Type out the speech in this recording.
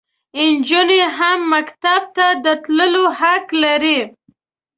انجونې هم مکتب ته د تللو حق لري.